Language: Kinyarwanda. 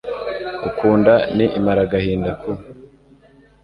ukunda, ni imaragahinda ku